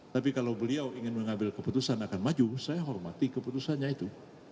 tapi kalau beliau ingin mengambil keputusan akan maju saya hormati keputusannya itu